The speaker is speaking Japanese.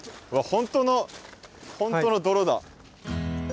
本当の本当の泥だ。